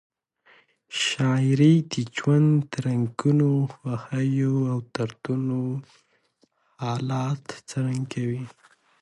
شاعري د ژوند د رنګونو، خوښیو او دردونو ښکلا څرګندوي.